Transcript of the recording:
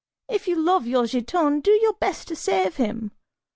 If you love your Giton, do your best to save him.